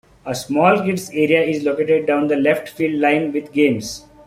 A small kids' area is located down the left-field line with games.